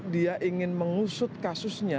dia ingin mengusut kasusnya